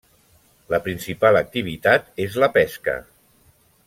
La principal activitat és la pesca.